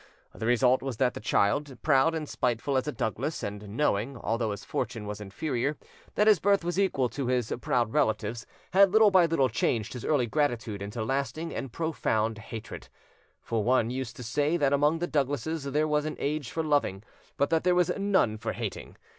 The result was that the child, proud and spiteful as a Douglas, and knowing, although his fortune was inferior, that his birth was equal to his proud relatives, had little by little changed his early gratitude into lasting and profound hatred: for one used to say that among the Douglases there was an age for loving, but that there was none for hating.